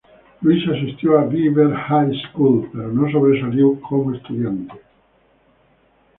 Louis asistió a la Weaver High School, pero no sobresalió como estudiante.